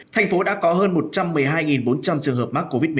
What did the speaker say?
tp hcm đã có hơn một trăm một mươi hai bốn trăm linh trường hợp mắc covid một mươi chín